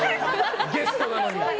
ゲストなのに。